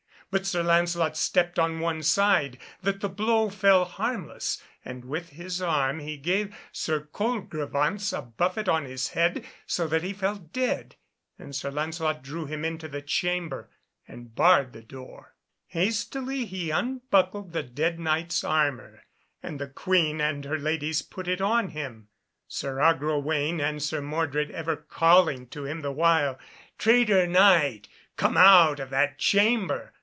But Sir Lancelot stepped on one side, that the blow fell harmless, and with his arm he gave Sir Colgrevance a buffet on the head so that he fell dead. And Sir Lancelot drew him into the chamber, and barred the door. Hastily he unbuckled the dead Knight's armour, and the Queen and her ladies put it on him, Sir Agrawaine and Sir Mordred ever calling to him the while, "Traitor Knight, come out of that chamber!"